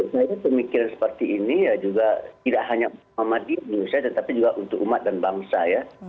saya pemikiran seperti ini ya juga tidak hanya untuk muhammadiyah tapi juga untuk umat dan bangsa ya